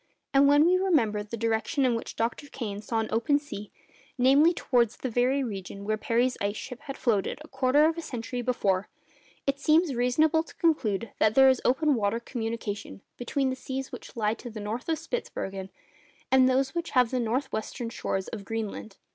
And when we remember the direction in which Dr. Kane saw an open sea—namely, towards the very region where Parry's ice—ship had floated a quarter of a century before—it seems reasonable to conclude that there is open water communication between the seas which lie to the north of Spitzbergen and those which lave the north western shores of Greenland.